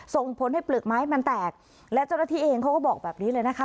ส่งผลให้เปลือกไม้มันแตกและเจ้าหน้าที่เองเขาก็บอกแบบนี้เลยนะคะ